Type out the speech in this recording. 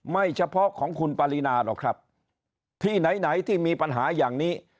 ไม่เฉพาะของคุณปรินาหรอกครับที่ไหนไหนที่มีปัญหาอย่างนี้